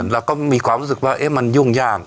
เราก็มีความรู้สึกว่ามันยุ่งยาก